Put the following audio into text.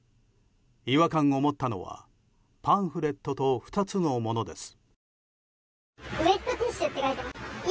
違和感を持ったのはパンフレットと２つのものです。